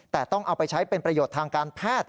แต่ต้องเอาไปใช้เป็นประโยชน์ทางการแพทย์